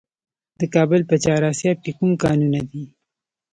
د کابل په چهار اسیاب کې کوم کانونه دي؟